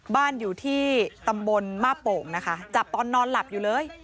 บ้านอยู่ที่ตำบลมาบโป่งนะคะจับตอนนอนหลับอยู่เลย